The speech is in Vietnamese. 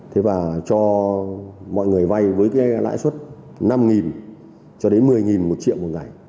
thế và cho mọi người vay với cái lãi suất năm cho đến một mươi một triệu một ngày